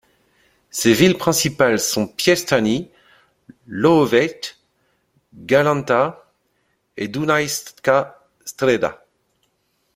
Ses villes principales sont Piešťany, Hlohovec, Galanta et Dunajská Streda.